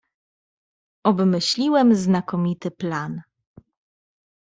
"„Obmyśliłem znakomity plan."